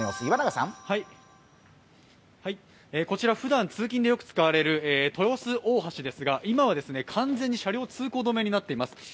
こちらふだん、通勤でよく使われる豊洲大橋ですが今は完全に車両通行止めになっています。